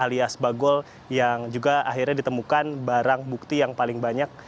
alias bagol yang juga akhirnya ditemukan barang bukti yang paling banyak